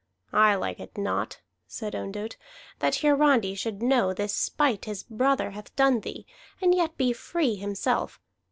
"I like it not," said Ondott, "that Hiarandi should know this spite his brother has done thee, and yet be free himself.